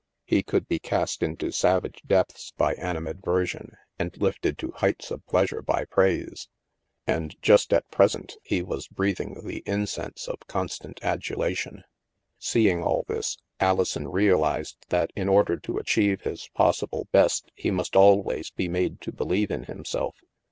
He could be cast into savage depths by animadversion, and lifted to heights of pleasure by praise. And, just at present, he was breathing the incense of constant adulation. Seeing all this, Alison realized that in order to achieve his possible best, he must always be made to believe in himself.